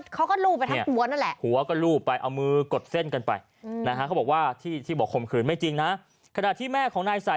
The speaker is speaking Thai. เขาก็ลูบไปทั้งหัวนั่นแหละ